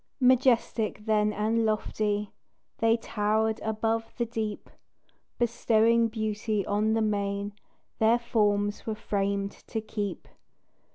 Majestic then and lofty They towered above the deep, Bestowing beauty on the main Their forms were framed to keep.